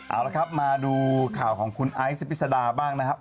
เอาละครับมาดูข่าวของคุณไอซ์พิษดาบ้างนะครับ